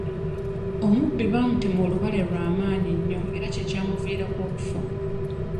Omubbi baamutema olubale lwa maanyi nnyo era kye kyamuviirako okufa.